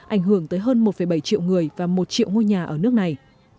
ảnh hưởng tới hơn một bảy triệu người và một triệu ngôi nhà ở nước này